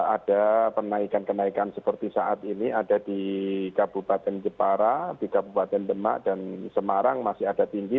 ada penaikan kenaikan seperti saat ini ada di kabupaten jepara di kabupaten demak dan semarang masih ada tinggi